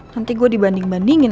nanti gue dibanding bandingin